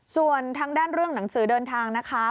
ส่วนทางด้านเรื่องหนังสือเดินทางนะคะ